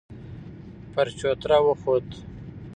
پر چوتره وخوت.